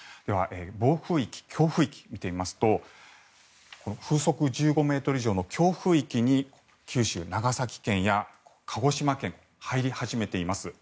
暴風域、強風域見てみますと風速１５ｍ以上の強風域に九州、長崎県や鹿児島県が入り始めています。